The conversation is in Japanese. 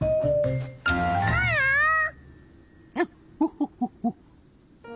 ホホホホッ。